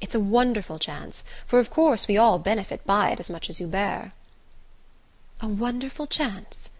It's a wonderful chance, for of course we all benefit by it as much as Hubert." "A wonderful chance...